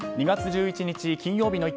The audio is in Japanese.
２月１１日